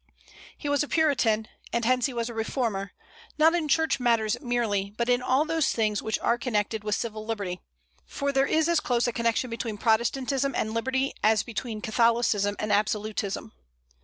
He was a Puritan, and hence he was a reformer, not in church matters merely, but in all those things which are connected with civil liberty, for there is as close a connection between Protestantism and liberty as between Catholicism and absolutism.